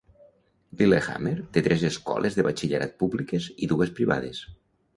Lillehammer té tres escoles de batxillerat públiques i dues privades.